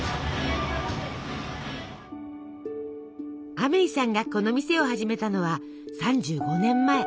アメイさんがこの店を始めたのは３５年前。